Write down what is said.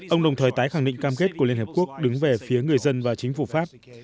ông đồng thời tái khẳng định cam kết của liên hợp quốc đứng về phía người dân và chính phủ pháp